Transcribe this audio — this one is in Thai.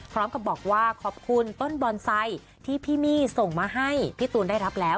พร้อมกับบอกว่าขอบคุณต้นบอนไซค์ที่พี่มี่ส่งมาให้พี่ตูนได้รับแล้ว